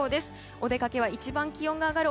お出かけは一番気温の上がる